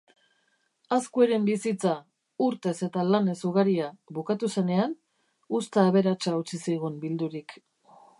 Azkueren bizitza, urtez eta lanez ugaria, bukatu zenean, uzta aberatsa utzi zigun bildurik.